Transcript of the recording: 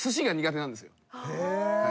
へえ。